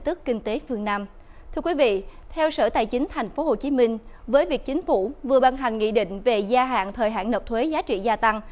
thưa quý vị theo sở tài chính tp hcm với việc chính phủ vừa ban hành nghị định về gia hạn thời hạn nộp thuế giá trị gia tăng